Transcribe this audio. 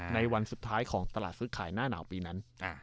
ในวันสุดท้ายของตลาดซื้อขายหน้าหนาวปีนั้น